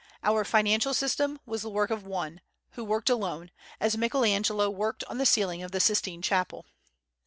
Our financial system was the work of one, who worked alone, as Michael Angelo worked on the ceiling of the Sistine Chapel.